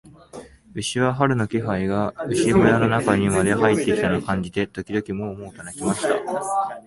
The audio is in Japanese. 牛は、春の気配が牛小屋の中にまで入ってきたのを感じて、時々モウ、モウと鳴きました。